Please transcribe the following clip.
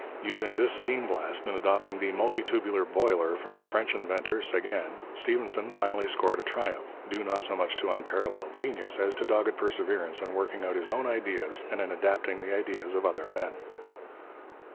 Using this steam blast, and adopting the multitubular boiler from a French inventor, Seguin, Stephenson finally scored a triumph, due not so much to unparalleled genius as to dogged perseverance in working out his own ideas and in adapting the ideas of other men.